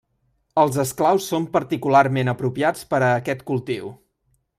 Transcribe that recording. Els esclaus són particularment apropiats per a aquest cultiu.